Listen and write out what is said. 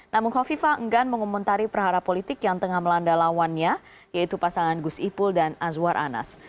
namun khofifa enggan mengomentari perhara politik yang tengah melanda lawannya yaitu pasangan gus ipul dan azwar anas